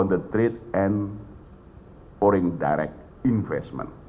untuk transaksi dan investasi langsung